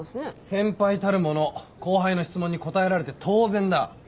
先輩たるもの後輩の質問に答えられて当然だ。